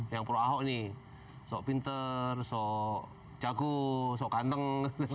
yang pro ahok ini sok pinter sok jagu sok kanteng